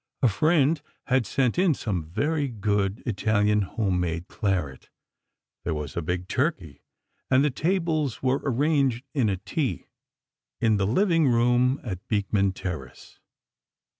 A friend had sent in some very good Italian home made claret, there was a big turkey, and the tables were arranged in a T, in the living room at Beekman Terrace.